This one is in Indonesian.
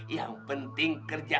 yang penting kerja